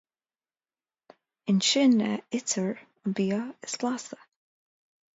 Ansin a itear an bia is blasta.